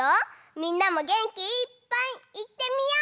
みんなもげんきいっぱいいってみよう！